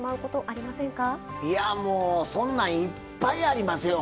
いやもうそんなんいっぱいありますよ。